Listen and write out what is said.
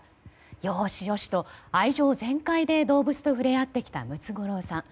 よーしよしと、愛情全開で動物と触れ合ってきたムツゴロウさん。